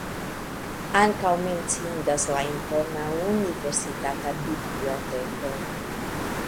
Ankaŭ menciindas la impona universitata biblioteko.